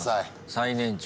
最年長。